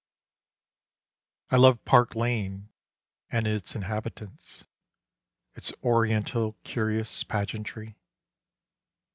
I love Park Lane and its inhabitants, Its oriental curious pageantry.